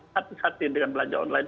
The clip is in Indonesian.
hati hati dengan belanja online